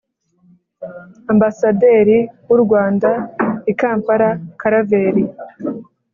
ambasaderi w'u rwanda i kampala, karaveri